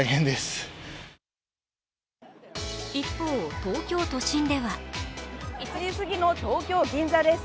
一方、東京都心では１時過ぎの東京・銀座です。